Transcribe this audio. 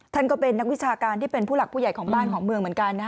ท่านก็เป็นนักวิชาการที่เป็นผู้หลักผู้ใหญ่ของบ้านของเมืองเหมือนกัน